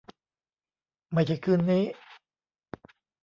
ไม่ใช่คืนนี้